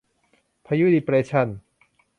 พายุดีเปรสชัน